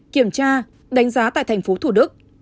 kiểm tra đánh giá tại tp thủ đức